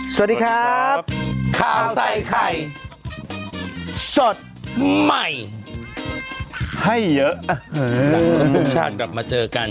สวัสดีครับข้าวใส่ไข่สดใหม่ให้เยอะครบทุกชาติกลับมาเจอกัน